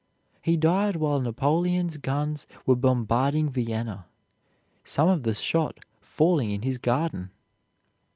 He died while Napoleon's guns were bombarding Vienna, some of the shot falling in his garden.